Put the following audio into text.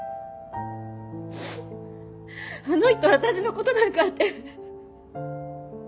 あの人私の事なんかって。